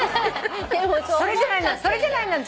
それじゃない？